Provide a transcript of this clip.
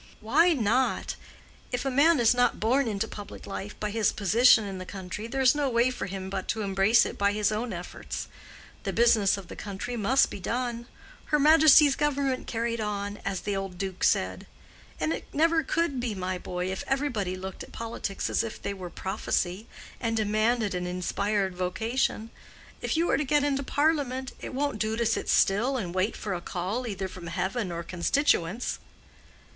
"Why not? if a man is not born into public life by his position in the country, there's no way for him but to embrace it by his own efforts. The business of the country must be done—her Majesty's Government carried on, as the old Duke said. And it never could be, my boy, if everybody looked at politics as if they were prophecy, and demanded an inspired vocation. If you are to get into Parliament, it won't do to sit still and wait for a call either from heaven or constituents."